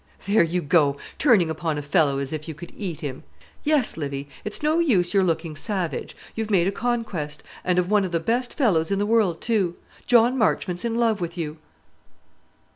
"There you go; turning upon a fellow as if you could eat him. Yes, Livy; it's no use your looking savage. You've made a conquest; and of one of the best fellows in the world, too. John Marchmont's in love with you."